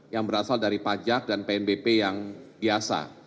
yang berasal dari pajak dan pnbp yang biasa